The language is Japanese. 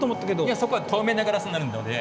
いやそこは透明なガラスになるので。